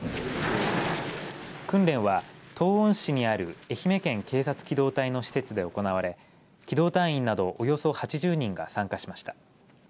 訓練は東温市にある愛媛県警察機動隊の施設で行われ機動隊員などおよそ８０人が参加しました。